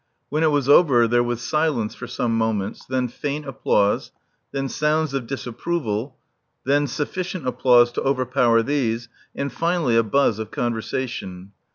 When it was over, there was silence for some moments, then faint applause, then sounds of disapproval, then suflBcient applause to overpower these, and finally a buzz of conversation.